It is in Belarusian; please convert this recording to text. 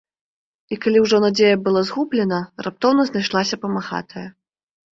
І калі ўжо надзея была згублена, раптоўна знайшлася памагатая.